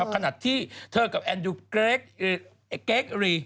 ขณะที่เธอกับแอนดูเกรกรี